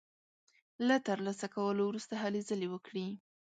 له تر لاسه کولو وروسته هلې ځلې وکړي.